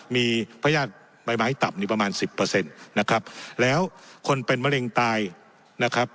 มีพระญาติใบไม้ต่ำนี่ประมาณสิบเปอร์เซ็นต์นะครับแล้วคนเป็นมะเร็งตายนะครับ